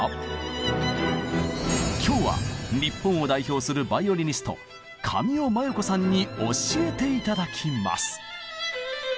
今日は日本を代表するバイオリニスト神尾真由子さんに教えて頂きます！